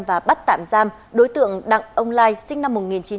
và bắt tạm giam đối tượng đặng ông lai sinh năm một nghìn chín trăm chín mươi ba